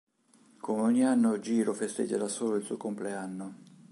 Come ogni anno, Jiro festeggia da solo il suo compleanno.